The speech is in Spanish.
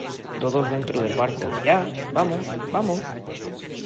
todos dentro del barco, ¡ ya! ¡ vamos , vamos !